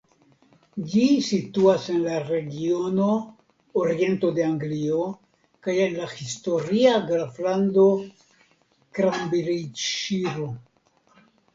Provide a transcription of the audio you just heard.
Ĝi situas en la regiono "Oriento de Anglio" kaj en la historia graflando "Kambriĝŝiro".